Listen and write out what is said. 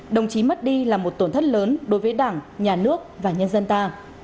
đồng chí mất đi là một tổn thất lớn đối với đảng nhà nước và nhân dân ta